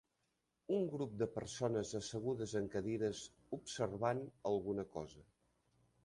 Un grup de persones assegudes en cadires observant alguna cosa